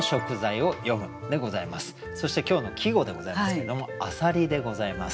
そして今日の季語でございますけれども「浅蜊」でございます。